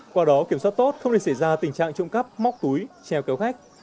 qua đó kiểm soát tốt không để xảy ra tình trạng trộm cắp móc túi treo kéo khách